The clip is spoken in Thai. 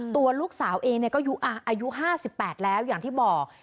ตัวลูกสาวเองเนี่ยก็อยู่อายุห้าสิบแปดแล้วอย่างที่บอก